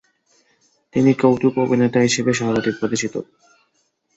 তিনি কৌতুক অভিনেতা হিসেবে সর্বাধিক পরিচিত।